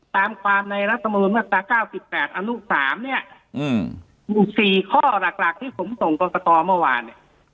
ตามความในรัฐมนตรา๙๘อนุ๓เนี่ยมี๔ข้อหลักที่ผมส่งกับต่อเมื่อวาน